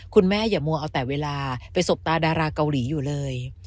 อย่ามัวเอาแต่เวลาไปสบตาดาราเกาหลีอยู่เลย